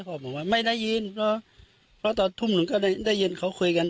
บอกว่าไม่ได้ยินเพราะตอนทุ่มหนูก็ได้ยินเขาคุยกัน